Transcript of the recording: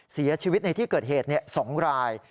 เสียชีวิตในที่เกิดเหตุ๒ราย